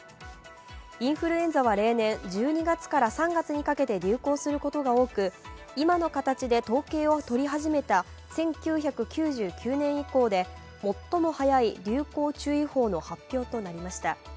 インフルエンザは例年、１２月から３月にかけて流行することが多く、今の形で統計を取り始めた１９９９年以降で最も早い流行注意報の発表となりました。